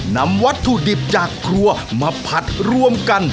นำวัตถุดิบจากครัวมาผัดรวมกัน